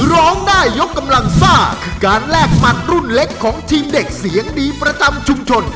ร้องได้ยกกำลังซ่าคือการแลกหมัดรุ่นเล็กของทีมเด็กเสียงดีประจำชุมชน